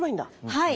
はい。